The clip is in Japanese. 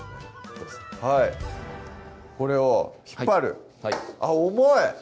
どうぞはいこれを引っ張るあっ重い！